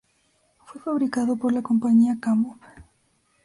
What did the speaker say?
Fue fabricado por la compañía Kamov.